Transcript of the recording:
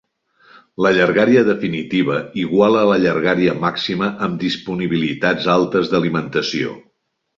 La llargària definitiva iguala la llargària màxima amb disponibilitats altes d'alimentació.